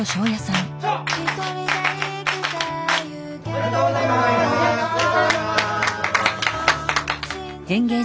おめでとうございます。